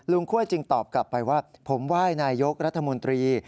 คั่วจึงตอบกลับไปว่าผมไหว้นายกรัฐมนตรี